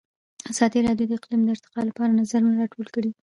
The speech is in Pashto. ازادي راډیو د اقلیم د ارتقا لپاره نظرونه راټول کړي.